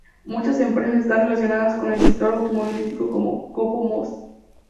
Muchas empresas están relacionadas con el sector automovilístico como Copo Mos.